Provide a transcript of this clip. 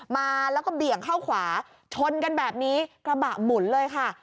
มาแล้วก็เบี่ยงเข้าขวาชนกันแบบนี้กระบะหมุนเลยค่ะ